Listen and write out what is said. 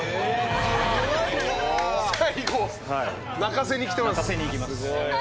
最後泣かせにきてます。